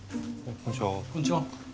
こんちは。